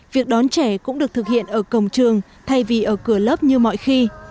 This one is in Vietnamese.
việc đón trẻ cũng được thực hiện ở cổng trường thay vì ở cửa lớp như mọi khi